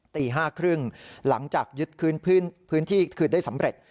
ตี๕๓๐หลังจากยึดคืนพื้นที่คืนได้สำเร็จ